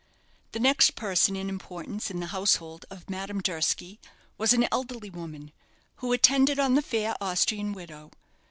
The next person in importance in the household of Madame Durski was an elderly woman, who attended on the fair Austrian widow.